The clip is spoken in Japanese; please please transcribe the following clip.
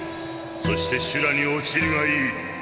そして修羅に落ちるがいい。